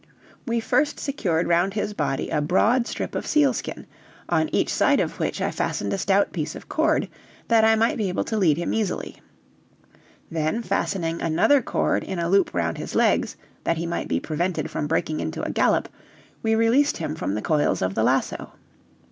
We first secured round his body a broad strip of sealskin, on each side of which I fastened a stout piece of cord, that I might be able to lead him easily. Then, fastening another cord in a loop round his legs that he might be prevented from breaking into a gallop, we released him from the coils of the lasso.